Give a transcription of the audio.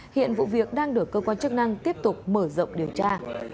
hiện vụ việc đang được cơ quan chức năng tiếp tục mở rộng điều tra